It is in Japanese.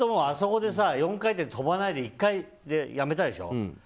あそこで４回転を跳ばないで１回でやめたでしょ。